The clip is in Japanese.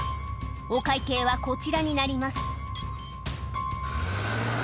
「お会計はこちらになります」